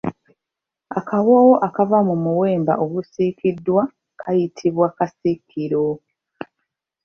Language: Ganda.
Akawoowo akava mu muwemba ogusiikiddwa kayitibwa kasiikiro.